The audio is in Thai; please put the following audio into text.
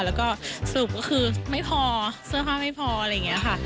แล้วก็สรุปก็คือไม่พอเสื้อผ้าไม่พออะไรอย่างนี้ค่ะ